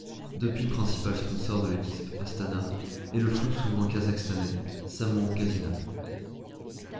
Depuis principal sponsor de l'équipe Astana est le fonds souverain kazakhstanais Samrouk-Kazyna.